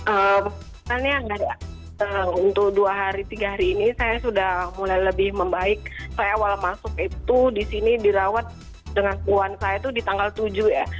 sebenarnya untuk dua hari tiga hari ini saya sudah mulai lebih membaik saya awal masuk itu disini dirawat dengan keluhan saya itu di tanggal tujuh ya